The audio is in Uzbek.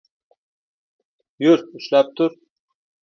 — Yur, ushlab tur.